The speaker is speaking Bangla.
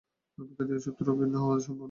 প্রকৃতির এই সূত্র ভিন্ন হওয়া সম্ভব নয়।